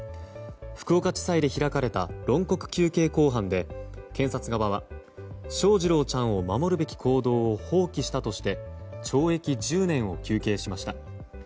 福岡地裁で開かれた論告求刑公判で検察側は翔士郎ちゃんを守るべき行動を放棄したとして懲役１０年を求刑しました。